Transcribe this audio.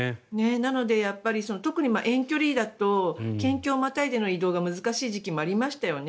なので特に遠距離だと県境をまたいでの移動が難しい時期もありましたよね。